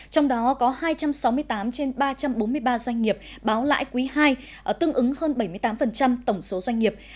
trong đó có hai trăm sáu mươi tám trên ba trăm bốn mươi ba doanh nghiệp báo lãi quý ii tương ứng hơn bảy mươi tám tổng số doanh nghiệp